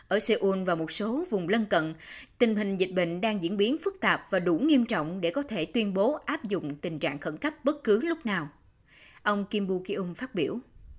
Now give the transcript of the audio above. ở seoul và một số vùng lân cận tình hình dịch bệnh đang diễn biến phức tạp và đủ nghiêm trọng để có thể tuyên bố áp dụng tình trạng khẩn cấp bất cứ lúc nào ông kimbukyung phát biểu